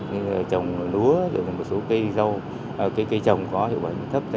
như là trồng núa được một số cây trồng có hiệu quả như thế thấp